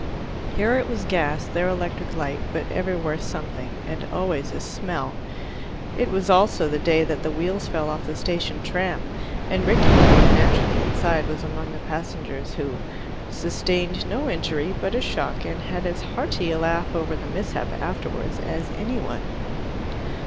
Here it was gas, there electric light, but everywhere something, and always a smell. It was also the day that the wheels fell off the station tram, and Rickie, who was naturally inside, was among the passengers who "sustained no injury but a shock, and had as hearty a laugh over the mishap afterwards as any one."